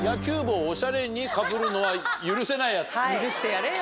許してやれよ